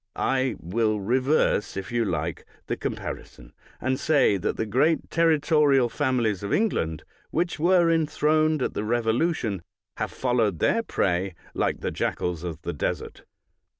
I will reverse, if you like, the compari son, and say that the great territorial families of England, which were enthroned at the Revo lution, have followed their prey like the jackals of the desert.